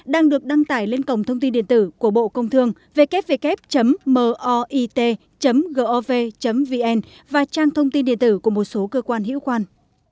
đang được đăng tải lên cổng thông tin điện tử của bộ công thương ww moit gov vn và trang thông tin điện tử của một số cơ quan hữu quan